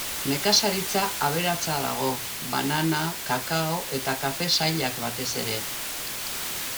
Nekazaritza aberatsa dago, banana, kakao eta kafe sailak batez ere.